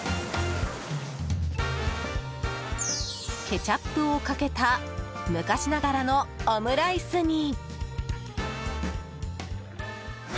ケチャップをかけた昔ながらのオムライスに。